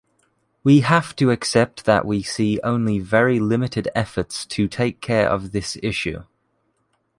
we have to accept that we see only very limited efforts to take care of this issue.